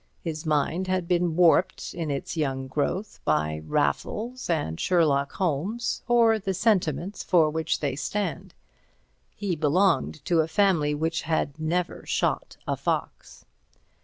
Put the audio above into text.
His mind had been warped in its young growth by "Raffles" and "Sherlock Holmes," or the sentiments for which they stand. He belonged to a family which had never shot a fox.